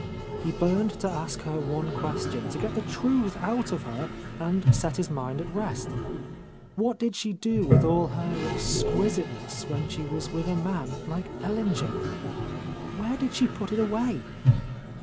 He burned to ask her one question, to get the truth out of her and set his mind at rest: What did she do with all her exquisiteness when she was with a man like Ellinger? Where did she put it away?